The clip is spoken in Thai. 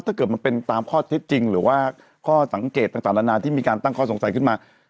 ถ้าเกิดมันเป็นตามข้อเท็จจริงหรือว่าข้อสังเกตต่างนานาที่มีการตั้งข้อสงสัยขึ้นมา